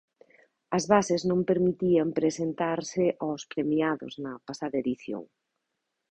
As bases non permitían presentarse aos premiados na pasada edición.